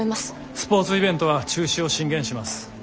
スポーツイベントは中止を進言します。